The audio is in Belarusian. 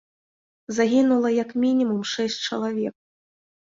Загінула як мінімум шэсць чалавек.